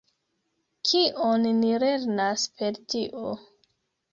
Kion ni lernas per tio?